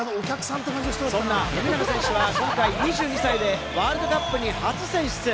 そんな富永選手は今回、２２歳でワールドカップに初選出。